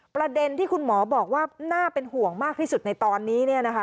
ประเด็นที่คุณหมอบอกว่าน่าเป็นห่วงมากที่สุดในตอนนี้เนี่ยนะคะ